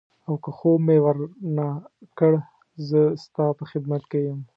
او که ځواب مې ورنه کړ زه ستا په خدمت کې یم.